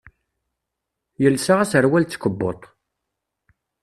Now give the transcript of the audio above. Yelsa aserwal d tkebbuḍt.